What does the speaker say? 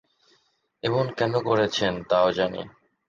এবং কেন করেছেন তাও জানি।